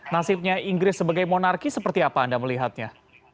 nasibnya inggris sebagai monarki seperti apa anda melihatnya